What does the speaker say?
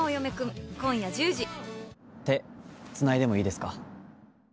手、つないでもいいですか？